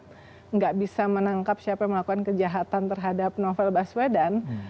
tidak bisa menangkap siapa yang melakukan kejahatan terhadap novel baswedan